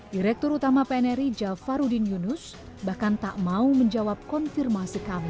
direktur utama pnri jafarudin yunus bahkan tak mau menjawab konfirmasi kami